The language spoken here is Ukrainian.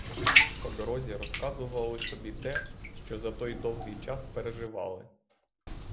По дорозі розказували собі те, що за той довгий час переживали.